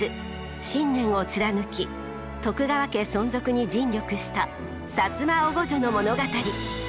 信念を貫き徳川家存続に尽力した摩おごじょの物語。